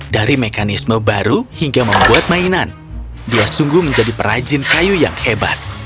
dari mekanisme baru hingga membuat mainan dia sungguh menjadi perajin kayu yang hebat